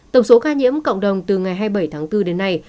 tổng số ca nhiễm cộng đồng từ ngày hai mươi bảy tháng bốn đến nay